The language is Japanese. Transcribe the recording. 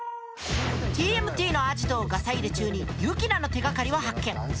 ＴＭＴのアジトをガサ入れ中にユキナの手がかりを発見。